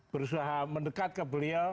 berusaha mendekat ke beliau